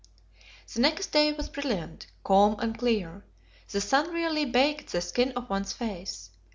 The next day was brilliant calm and clear. The sun really baked the skin of one's face.